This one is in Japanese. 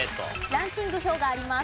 ランキング表があります。